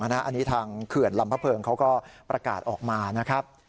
อันนี้ทางเขื่อนลำพระเพิงเขาก็ประกาศออกมานะครับ